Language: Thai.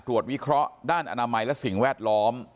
วิเคราะห์ด้านอนามัยและสิ่งแวดล้อม